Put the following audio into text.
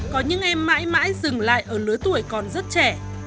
có những em mãi mãi dừng lại ở lứa tuổi còn rất trẻ